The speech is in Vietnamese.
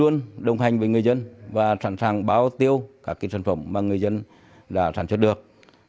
luôn luôn đồng hành với người dân và sẵn sàng báo tiêu các sản phẩm mà người dân sản xuất được